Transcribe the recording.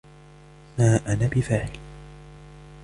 مَا أَنَا بِفَاعِلٍ